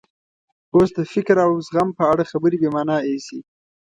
اوس د فکر او زغم په اړه خبره بې مانا ایسي.